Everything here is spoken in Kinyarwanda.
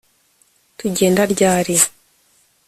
tugenda ryari